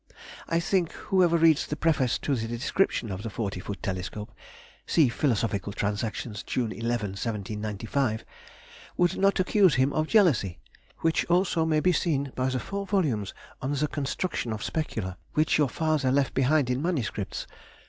I think whoever reads the Preface to the description of the forty foot telescope (see "Philosophical Transactions," June 11, 1795), would not accuse him of jealousy—which also may be seen by the four volumes on the construction of Specula, which your father left behind in MSS.